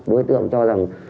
đối tượng cho rằng